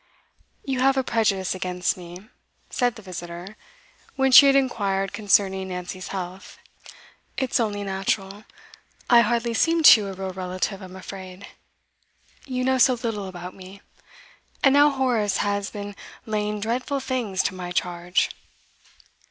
'You have a prejudice against me,' said the visitor, when she had inquired concerning Nancy's health. 'It's only natural. I hardly seem to you a real relative, I'm afraid you know so little about me; and now Horace has been laying dreadful things to my charge.